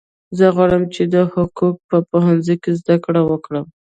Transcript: زه غواړم چې د حقوقو په پوهنځي کې زده کړه وکړم